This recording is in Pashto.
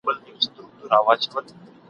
له خالقه رڼا اخلم ورځي شپو ته ورکومه !.